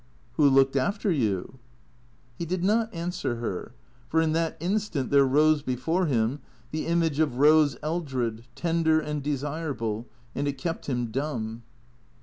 "Who looked after you?" He did not answer her. For in that instant there rose before him the image of Rose Eldred, tender and desirable, and it kept him dumb.